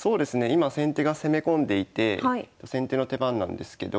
今先手が攻め込んでいて先手の手番なんですけど